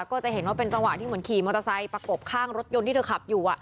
ก็จะเห็นว่าเป็นจังหวะที่เหมือนขี่มอเตอร์ไซค์ประกบข้างรถยนต์ที่เธอขับอยู่